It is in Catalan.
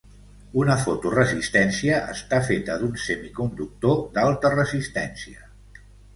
Una fotoresistència està feta d'un semiconductor d'alta resistència.